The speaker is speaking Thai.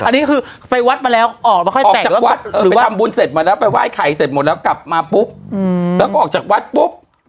อันนี้คือไปวัดมาแล้วออกมาค่อยออกจากวัดไปทำบุญเสร็จมาแล้วไปไหว้ไข่เสร็จหมดแล้วกลับมาปุ๊บแล้วก็ออกจากวัดปุ๊บ